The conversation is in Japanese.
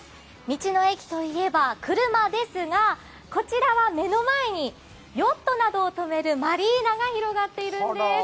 道の駅といえば、車ですがこちらは目の前にヨットなどを止めるマリーナが広がっているんです。